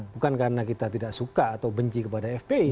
bukan karena kita tidak suka atau benci kepada fpi